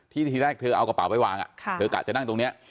ทีแรกเธอเอากระเป๋าไปวางเธอกะจะนั่งตรงนี้